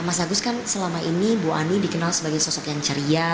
mas agus kan selama ini bu ani dikenal sebagai sosok yang ceria